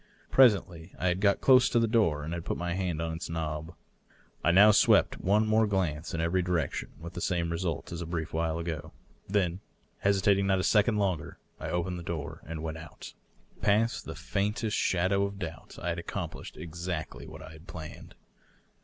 .. Presently I had got close to the door and had put my hand on its knob. I now swept one more glance in every direction, and with the same result as a brief while ago. Then, hesi tating not a second longer, I opened the door and went out. Past the faintest slmdow of doubt I had accomplished exactly what I had planned.